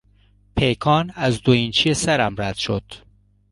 پیکان از دو اینچی سرم رد شد.